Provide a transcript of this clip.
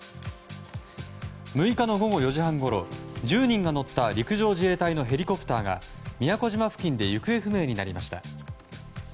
６日の午後４時半ごろ１０人が乗った陸上自衛隊のヘリコプターが宮古島付近で行方不明になりました。